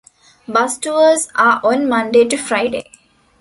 Bus tours are on Monday to Friday.